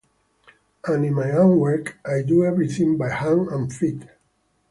And in my own work, I do everything by hand and feet.